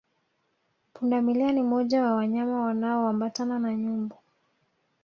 Pundamilia ni moja wa wanyama wanaoambatana na nyumbu